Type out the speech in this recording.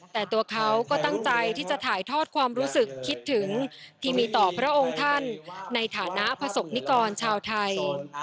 แต่ตัวเขาก็ตั้งใจที่จะถ่ายทอดความรู้สึกคิดถึงที่มีต่อพระองค์ท่านในฐานะประสบนิกรชาวไทย